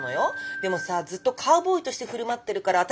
でもさあずっとカウボーイとして振る舞ってるから私も受け入れちゃって。